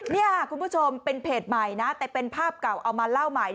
นี่ค่ะคุณผู้ชมเป็นเพจใหม่นะแต่เป็นภาพเก่าเอามาเล่าใหม่